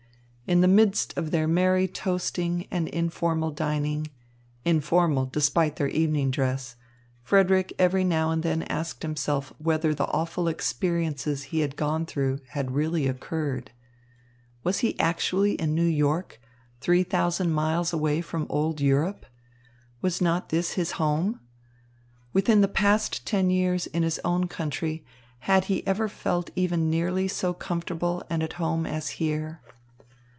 In the midst of their merry toasting and informal dining, informal despite their evening dress, Frederick every now and then asked himself whether the awful experiences he had gone through had really occurred. Was he actually in New York, three thousand miles away from old Europe? Was not this his home? Within the past ten years in his own country had he ever felt even nearly so comfortable and at home as here?